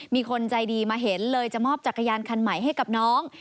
มีคนใจดีมาเห็นเลยจะมอบจักรยานคันใหม่ให้กับน้อง